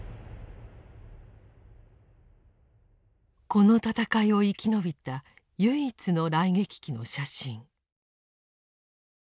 この戦いを生き延びた唯一の雷撃機の写真。